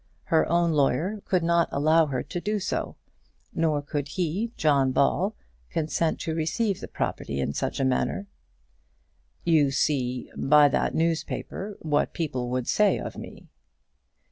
Her own lawyer could not allow her to do so; nor could he, John Ball, consent to receive the property in such a manner. "You see, by that newspaper, what people would say of me."